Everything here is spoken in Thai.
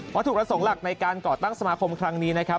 เพราะถูกประสงค์หลักในการก่อตั้งสมาคมครั้งนี้นะครับ